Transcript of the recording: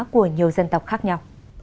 của nhiều dân tộc khác nhau